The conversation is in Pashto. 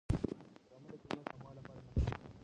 ګرامر د جملو د سموالي لپاره نه کاریږي.